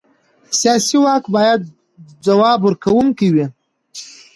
سیاسي واک باید ځواب ورکوونکی وي